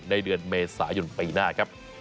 ในเดือนเมษายนปีหน้าครับ